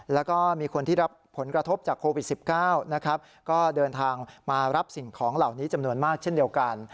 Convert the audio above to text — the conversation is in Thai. แล้วก็มีคนที่รับผลกระทบจากโควิด๑๙นะครับก็เดินทางมารับสิ่งของเหล่านี้จำนวนมากเช่นเดียวกัน